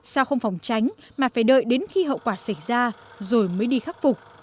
sao không phòng tránh mà phải đợi đến khi hậu quả xảy ra rồi mới đi khắc phục